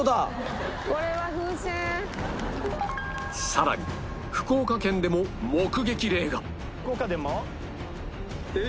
更に福岡県でも目撃例が